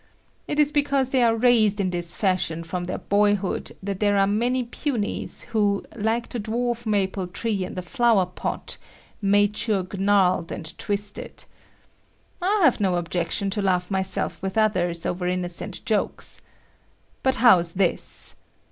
It is because they are raised in this fashion from their boyhood that there are many punies who, like the dwarf maple tree in the flower pot, mature gnarled and twisted. I have no objection to laugh myself with others over innocent jokes. But how's this?